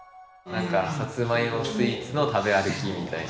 サツマイモスイーツの食べ歩きみたいな。